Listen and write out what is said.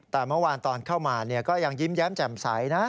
แต่เมื่อวานตอนเข้ามาก็ยังยิ้มแย้มแจ่มใสนะ